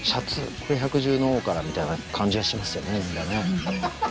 これ百獣の王からみたいな感じがしますよね。